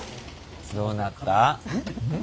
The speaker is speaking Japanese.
どうなった？